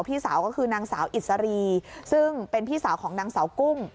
พี่สาวก็คือนางสาวอิสรีซึ่งเป็นพี่สาวของนางสาวกุ้ง